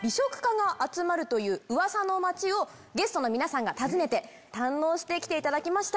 ゲストの皆さんが訪ねて堪能して来ていただきました。